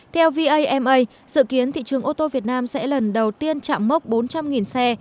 theo vama dự kiến thị trường ô tô việt nam sẽ lần đầu tiên chạm mốc bốn trăm linh xe